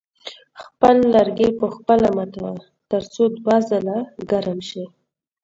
خپل لرګي په خپله ماتوه تر څو دوه ځله ګرم شي.